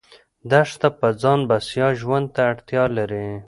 دښته په ځان بسیا ژوند ته اړتیا لري.